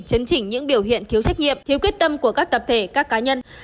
chấn chỉnh những biểu hiện thiếu trách nhiệm thiếu quyết tâm của các tập thể các cá nhân